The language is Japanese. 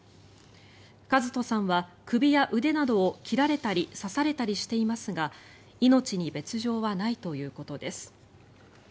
和人さんは首や腕などを切られたり刺されたりしていますが命に別条はないということです。